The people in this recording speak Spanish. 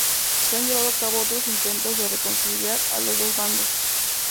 Se han llevado a cabo otros intentos de reconciliar a los dos bandos.